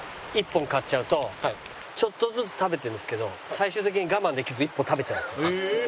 ちょっとずつ食べてるんですけど最終的に我慢できず一本食べちゃうんです。